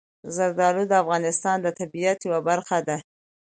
زردالو د افغانستان د طبیعت یوه برخه ده.